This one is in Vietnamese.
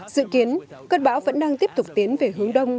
dự kiến cơn bão vẫn đang tiếp tục tiến về hướng đông